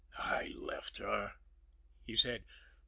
"I left her," he said.